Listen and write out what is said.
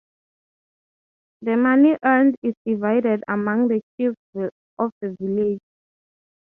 The money earned is divided among the chiefs of the village.